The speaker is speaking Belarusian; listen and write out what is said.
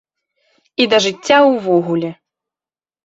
І да жыцця ўвогуле.